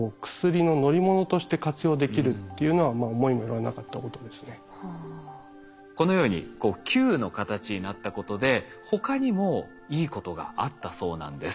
そういったものがこのように球の形になったことで他にもいいことがあったそうなんです。